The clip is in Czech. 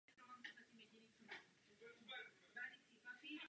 V jejím jižním průčelí byla věž.